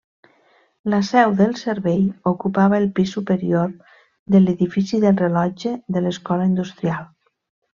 La seu del Servei ocupava el pis superior de l'edifici del rellotge de l'Escola Industrial.